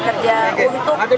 terutama di masyarakat miskin